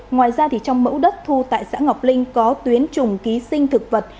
ngoài ra trong mẫu đất thu tại xã ngọc linh có tuyến trùng ký sinh thực vật